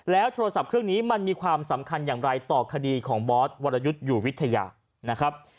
โทรศัพท์เครื่องนี้มันมีความสำคัญอย่างไรต่อคดีของบอสวรยุทธ์อยู่วิทยานะครับ